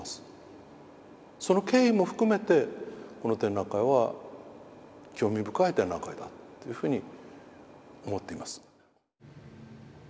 その経緯も含めてこの展覧会は興味深い展覧会だというふうに思っています。